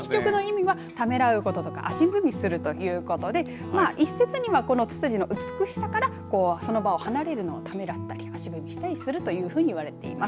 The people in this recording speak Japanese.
ためらうこととか足踏みするということで一説にはつつじの美しさからその場を離れるのをためらったり足踏みしたりすることといわれています。